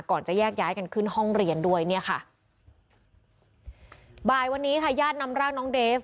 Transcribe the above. จะแยกย้ายกันขึ้นห้องเรียนด้วยเนี่ยค่ะบ่ายวันนี้ค่ะญาตินำร่างน้องเดฟ